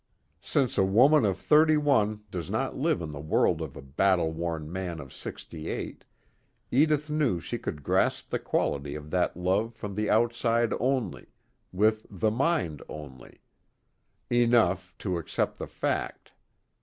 Since a woman of thirty one does not live in the world of a battle worn man of sixty eight, Edith knew she could grasp the quality of that love from the outside only, with the mind only: enough, to accept the fact.